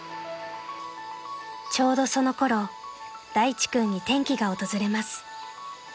［ちょうどそのころ大地君に転機が訪れます］